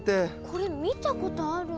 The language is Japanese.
これ見たことある。